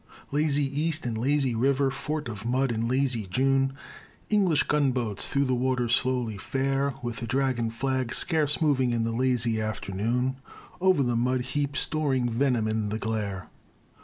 Lazy East and lazy river, fort of mud in lazy June, English gunboats through the waters slowly fare, With the dragon flag scarce moving in the lazy afternoon O'er the mud heap storing venom in the glare.